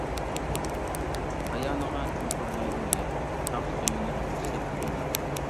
پايانىغا چوڭقۇرلايدۇ يەر، تاغ سۆيۈنەر يۈكسەكلىكىدىن.